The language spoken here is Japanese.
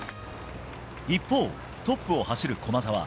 一方、トップを走る駒澤。